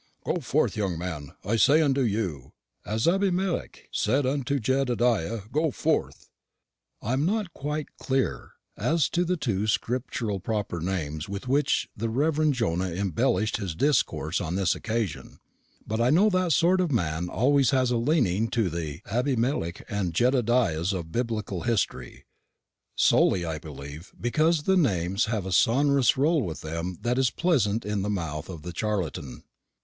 "Go forth, young man! I say unto you, as Abimelech said unto Jedediah, go forth." I am not quite clear as to the two scriptural proper names with which the Rev. Jonah embellished his discourse on this occasion; but I know that sort of man always has a leaning to the Abimelech and Jedediahs of biblical history; solely, I believe, because the names have a sonorous roll with them that is pleasant in the mouth of the charlatan.